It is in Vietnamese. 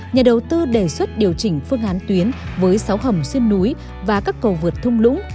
nhà đầu tư đề xuất điều chỉnh phương án tuyến với sáu hầm xuyên núi và các cầu vượt thung lũng